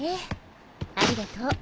ありがとう。